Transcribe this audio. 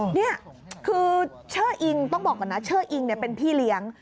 นี่คือชื่ออิงต้องบอกก่อนนะเชอร์อิงเป็นพี่เลี้ยง